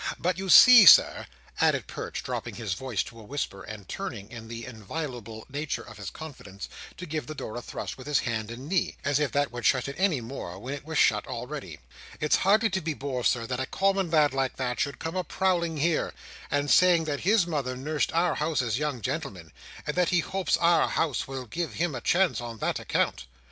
But you see, Sir," added Perch, dropping his voice to a whisper, and turning, in the inviolable nature of his confidence, to give the door a thrust with his hand and knee, as if that would shut it any more when it was shut already, "it's hardly to be bore, Sir, that a common lad like that should come a prowling here, and saying that his mother nursed our House's young gentleman, and that he hopes our House will give him a chance on that account.